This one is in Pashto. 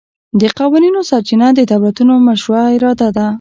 د قوانینو سرچینه د دولتونو مشروعه اراده ده